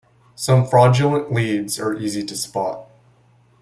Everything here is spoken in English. Some fraudulent leads are easy to spot.